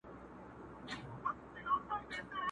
کورونا جدي وګڼئ!٫